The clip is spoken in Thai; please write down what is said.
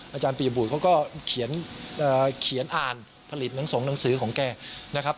อาจารย์ปียบุตรเขาก็เขียนอ่านผลิตหนังสงหนังสือของแกนะครับ